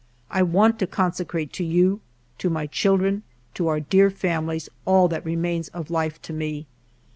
I want to consecrate to you, to my children, to our dear families, all that remains of life to me.